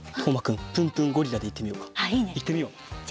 いってみよう。